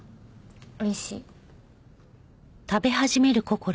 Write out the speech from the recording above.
おいしい。